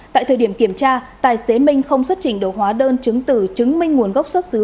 tại thời điểm kiểm tra tài xế minh không xuất trình được hóa đơn chứng tử chứng minh nguồn gốc xuất xứ